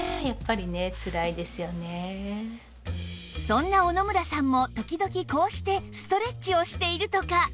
そんな小野村さんもときどきこうしてストレッチをしているとか